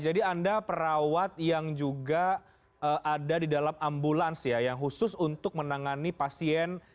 jadi anda perawat yang juga ada di dalam ambulans ya yang khusus untuk menangani pasien